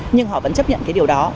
nhưng họ vẫn chấp nhận cái điều đó